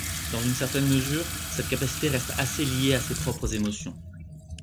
Dans une certaine mesure, cette capacité reste assez liée à ses propres émotions.